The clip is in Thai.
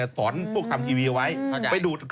สอนต้องทำทีวีไว้ไปดูด